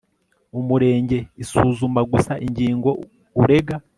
Umurenge isuzuma gusa ingingo urega